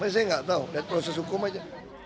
saya tidak tahu itu proses hukum saja